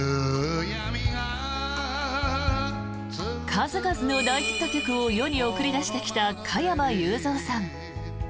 数々の大ヒット曲を世に送り出してきた加山雄三さん。